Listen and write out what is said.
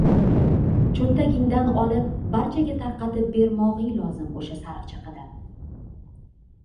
cho‘ntagingdan olib, barchaga tarqatib bermog‘ing lozim o‘sha sariq chaqadan.